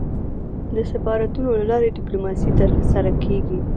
د سفارتونو له لاري ډيپلوماسي ترسره کېږي.